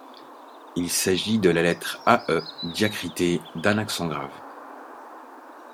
Il s’agit de la lettre Æ diacritée d’un accent grave.